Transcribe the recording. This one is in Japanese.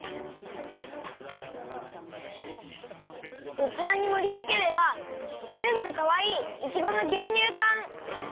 うつわにもりつければつるんとかわいいいちごのぎゅうにゅうかん。